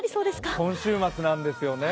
今週末なんですよね。